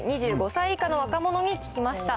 ２５歳以下の若者に聞きました。